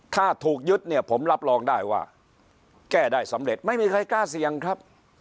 ถ้าถูกยึดเนี่ยผมรับรองได้ว่าแก้ได้สำเร็จไม่มีใครกล้าเสี่ยงครับ